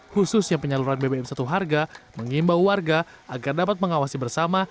khususnya penyaluran bbm satu harga mengimbau warga agar dapat mengawasi bersama